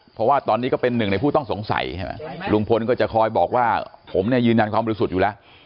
เพราะว่าตอนนี้ก็เป็นหนึ่งในผู้ต้องสงสัยใช่ไหมลุงพลก็จะคอยบอกว่าผมเนี่ยยืนยันความบริสุทธิ์อยู่แล้ว